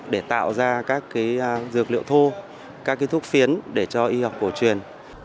để tạo ra các dược liệu thô các thuốc phiến để cho y học cổ truyền